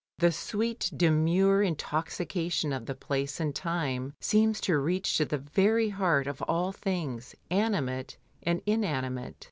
The sweet, demure intoxication of the place and time seems to reach to the very heart of all things, animate and inanimate.